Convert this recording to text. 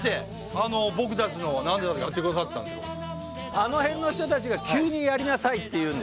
あの辺の人たちが急にやりなさいって言うんですよ。